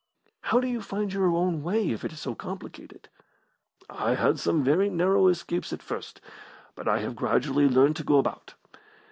"How do you find your own way if it is so complicated?" "I had some very narrow escapes at first, but I have gradually learned to go about.